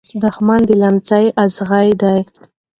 دښمن د لمڅی ازغي دی .